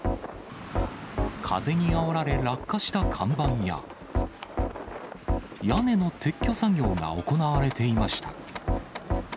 風にあおられ、落下した看板や、屋根の撤去作業が行われていました。